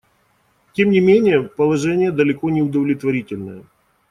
Тем не менее положение далеко не удовлетворительное.